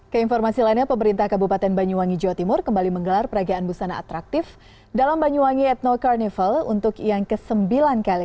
keinformasi lainnya pemerintah kabupaten banyuwangi jawa timur kembali menggelar peragaan busana atraktif dalam banyuwangi ethno carnival untuk yang ke sembilan kali